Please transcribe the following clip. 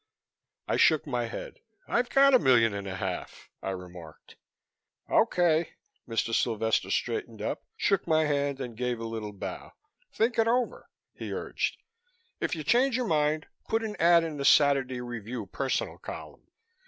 I shook my head. "I've got a million and a half," I remarked. "Okay," Mr. Sylvester straightened up, shook my hand and gave a little bow. "Think it over!" he urged. "If you change your mind put an ad in the Saturday Review personal column.